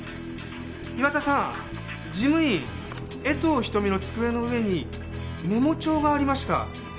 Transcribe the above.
岩田さん事務員江藤日登美の机の上にメモ帳がありました。